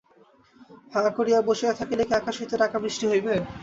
হাঁ করিয়া বসিয়া থাকিলে কি আকাশ হইতে টাকা বৃষ্টি হইবে।